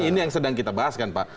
ini yang sedang kita bahaskan pak